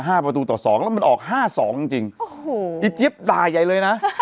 ห้าประตูต่อสองแล้วมันออกห้าสองจริงจิ๊บด่าใหญ่เลยน่ะ